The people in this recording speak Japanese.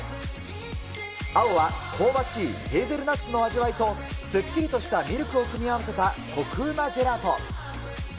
青は香ばしいヘーゼルナッツの味わいと、すっきりとしたミルクを組み合わせたこくうまジェラート。